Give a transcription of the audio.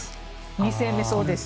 ２戦目、そうでした。